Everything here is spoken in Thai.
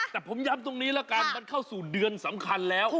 แต่ผมย้ำตรงนี้แล้วกันมันเข้าสู่เดือนสำคัญแล้ว